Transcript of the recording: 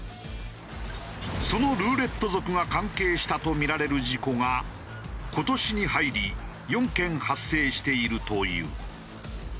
そのルーレット族が関係したとみられる事故が今年に入り４件発生しているという。